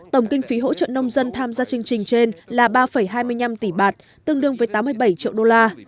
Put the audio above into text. tổng kinh phí hỗ trợ nông dân tham gia chương trình trên là ba hai mươi năm tỷ bạt tương đương với tám mươi bảy triệu đô la